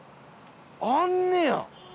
あんねや！